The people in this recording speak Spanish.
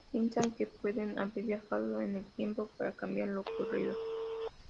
Piensan que pueden haber viajado en el tiempo, para cambiar lo ocurrido.